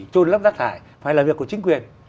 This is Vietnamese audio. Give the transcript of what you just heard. trôn lấp rác thải phải là việc của chính quyền